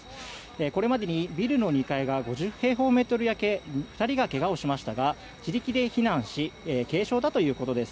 これまでにビルの２階が５０平方メートルほど焼け２人が怪我をしましたが自力で避難し軽傷だということです。